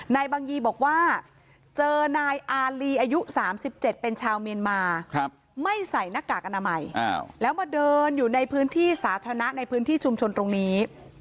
นายบังยีบอกว่าเจอนายอารีอายุ๓๗เป็นชาวเมียนมาไม่ใส่หน้ากากอนามัยแล้วมาเดินอยู่ในพื้นที่สาธารณะในพื้นที่ชุมชนตรงนี้